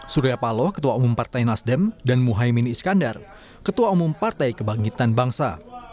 surya paloh ketua umum partai nasdem dan muhaymin iskandar ketua umum partai kebangkitan bangsa